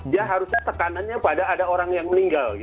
dia harusnya tekanannya pada ada orang yang meninggal